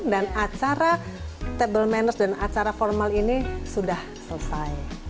dan acara table manners dan acara formal ini sudah selesai